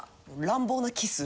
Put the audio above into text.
乱暴なキス。